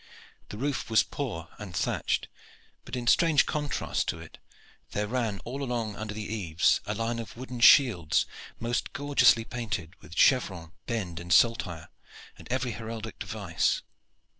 The roof was poor and thatched; but in strange contrast to it there ran all along under the eaves a line of wooden shields, most gorgeously painted with chevron, bend, and saltire, and every heraldic device.